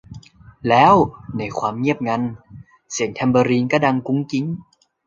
แล้ว ในความเงียบงัน เสียงแทมเบอรีนก็ดังกุ๊งกิ๊ง